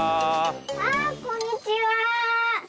あこんにちは。